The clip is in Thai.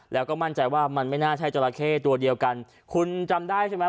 แล้วก็มั่นใจว่ามันไม่น่าใช่จราเข้ตัวเดียวกันคุณจำได้ใช่ไหม